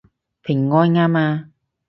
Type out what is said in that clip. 平安吖嘛